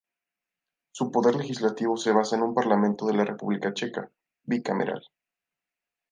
Su poder Legislativo se basa en un Parlamento de la República Checa, bicameral.